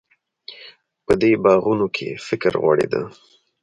په دې باغونو کې فکر غوړېده.